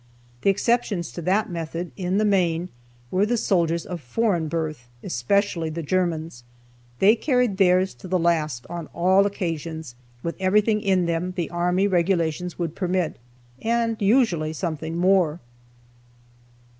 The exceptions to that method, in the main, were the soldiers of foreign birth, especially the Germans. They carried theirs to the last on all occasions, with everything in them the army regulations would permit, and usually something more.